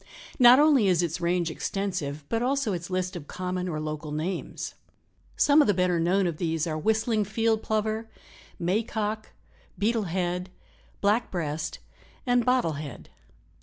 Not only is its range extensive, but also its list of common or local names. Some of the better known of these are Whistling Field Plover, May Cock, Beetle head, Black breast and Bottle head.